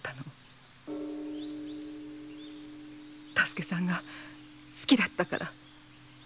多助さんが好きだったから。